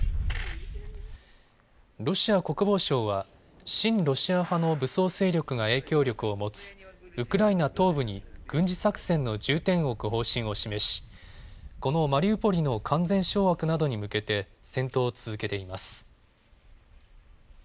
ロシア国防省は親ロシア派の武装勢力が影響力を持つウクライナ東部に軍事作戦の重点を置く方針を示しこのマリウポリの完全掌握などに向けて戦闘を続けています。